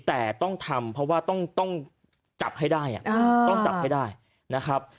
แต่ต้องทำเพราะว่าต้องจับให้ได้ต้องจับให้ได้นะครับ